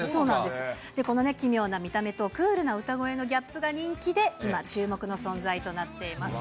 この奇妙な見た目とクールな歌声のギャップが人気で、今、注目の存在となっています。